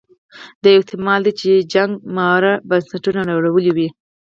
دا یو احتما ل دی چې جګړه مارو بنسټونه نړولي وي.